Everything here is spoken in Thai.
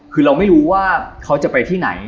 คือเราไม่รู้ว่าเขาจะไปที่ไหน